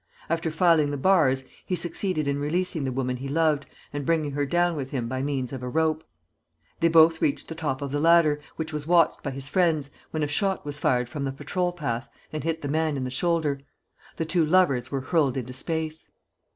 After filing the bars, he succeeded in releasing the woman he loved and bringing her down with him by means of a rope. They both reached the top of the ladder, which was watched by his friends, when a shot was fired from the patrol path and hit the man in the shoulder. The two lovers were hurled into space...."